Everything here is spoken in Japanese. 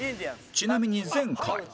ちなみに前回